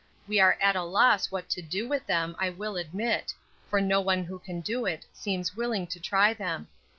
We are at a loss what to do with them, I will admit; for no one who can do it seems willing to try them.